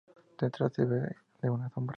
Detrás se ve una sombra.